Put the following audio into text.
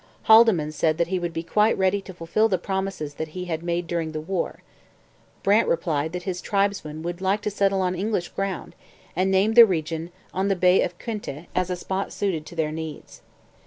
Haldimand said that he would be quite ready to fulfil the promises that he had made during the war. Brant replied that his tribesmen would like to settle on English ground, and named the region on the Bay of Quinte as a spot suited to their needs.